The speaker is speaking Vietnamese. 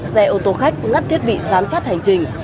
xe ô tô khách ngắt thiết bị giám sát hành trình